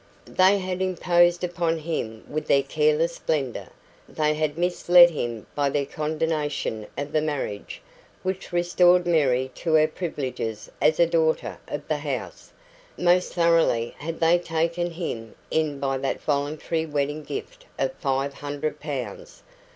They had imposed upon him with their careless splendour; they had misled him by their condonation of the marriage, which restored Mary to her privileges as a daughter of the house; most thoroughly had they taken him in by that voluntary wedding gift of five hundred pounds.